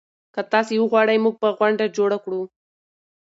که تاسي وغواړئ موږ به غونډه جوړه کړو.